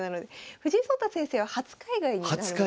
藤井聡太先生は初海外になるみたいですね。